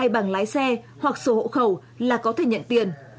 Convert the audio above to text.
bằng lái xe hoặc sổ hộ khẩu là có thể nhận tiền